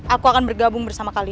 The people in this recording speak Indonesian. aku akan bergabung bersama kami